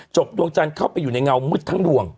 ดวงจันทร์เข้าไปอยู่ในเงามืดทั้งดวง